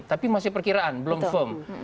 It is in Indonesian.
tapi masih perkiraan belum firm